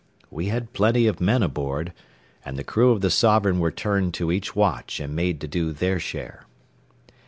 We had plenty of men aboard, and the crew of the Sovereign were turned to each watch and made to do their share.